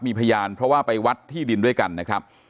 มีพยานเพราะว่าไปวัดที่ดินด้วยกันนะครับ